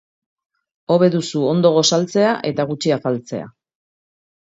Hobe duzu ondo gosaltzea eta gutxi afaltzea.